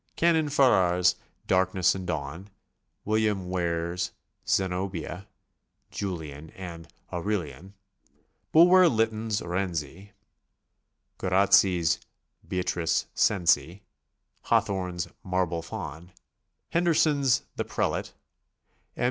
Canon Farrar's "Darkness and Dawn," William Ware's "Zenobia,'' "Julian," and "Aurelian"; Bulwer Lyttcn's "Rienzi," Guer razzi's "Beatrice Cenci," Hawthorne's "Marble Faun," Hen derson's "The Prelate," M.